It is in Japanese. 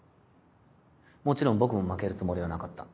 もちろん僕も負けるつもりはなかった。